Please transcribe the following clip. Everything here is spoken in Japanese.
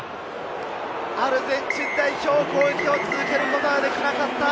アルゼンチン代表、攻撃を続けることができなかった。